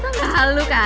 gak hal lu kan